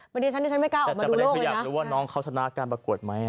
ไม่ได้ฉันไม่กล้าออกมาดูโลกเลยนะแต่ไม่ได้คิดอยากรู้ว่าน้องเขาสนาการประกวดไหม